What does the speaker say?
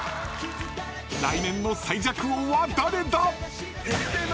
［来年の最弱王は誰だ！？］